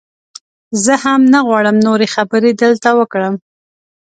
زه هم نه غواړم نورې خبرې دلته وکړم.